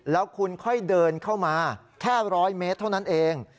แล้วคุณค่อยเดินเข้ามาแค่๑๐๐เมตรเท่านั้นเอง